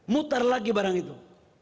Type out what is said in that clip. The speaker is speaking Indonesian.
mutar lagi barang itu